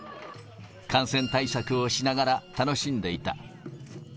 感染対策をしながら、楽しんでいた。